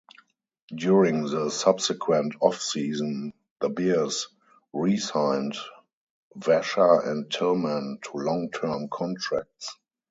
During the subsequent off-season, the Bears re-signed Vasher and Tillman to long-term contracts.